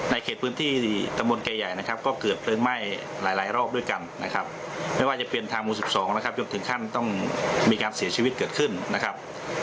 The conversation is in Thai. เขตพื้นที่ตำบลแก่ใหญ่นะครับก็เกิดเพลิงไหม้หลายรอบด้วยกันนะครับไม่ว่าจะเป็นทางหมู่๑๒นะครับจนถึงขั้นต้องมีการเสียชีวิตเกิดขึ้นนะครับ